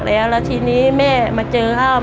แล้วทีนี้แม่มาเจอข้าว